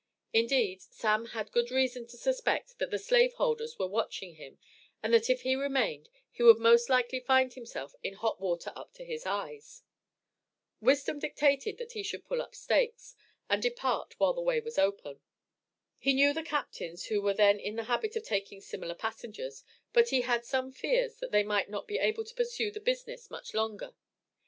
Indeed, Sam had good reason to suspect that the slave holders were watching him, and that if he remained, he would most likely find himself in "hot water up to his eyes." Wisdom dictated that he should "pull up stakes" and depart while the way was open. He knew the captains who were then in the habit of taking similar passengers, but he had some fears that they might not be able to pursue the business much longer.